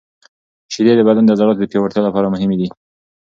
شیدې د بدن د عضلاتو د پیاوړتیا لپاره مهمې دي.